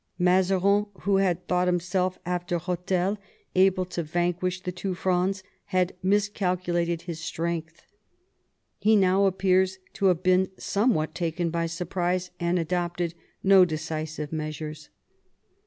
Mazarin, who had thought himself, after Rethel, able to vanquish the two Frondes, had miscalculated his strength. He now appears to have been somewhat taken by surprise, and adopted no decisive measures.